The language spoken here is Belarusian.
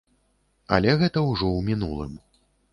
Але гэта ўжо ў мінулым.